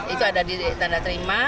itu ada di tanda terima